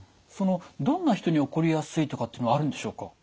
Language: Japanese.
そのどんな人に起こりやすいとかっていうのはあるんでしょうか？